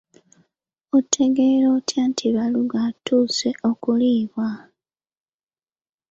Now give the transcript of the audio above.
Otegeera otya nti balugu atuuse okuliibwa?